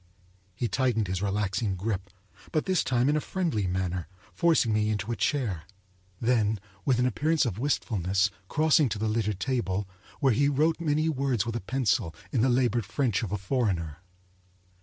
He tightened his relaxing grip, but this time in a friendly manner, forcing me into a chair; then with an appearance of wistfulness crossing to the littered table, where he wrote many words with a pencil, in the labored French of a foreigner.